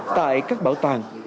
tại các bảo tàng